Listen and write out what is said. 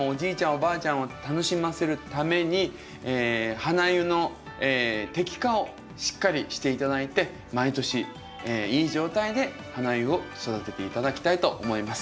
おばあちゃんを楽しませるためにハナユの摘果をしっかりして頂いて毎年いい状態でハナユを育てて頂きたいと思います。